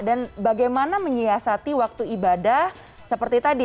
dan bagaimana menyiasati waktu ibadah seperti tadi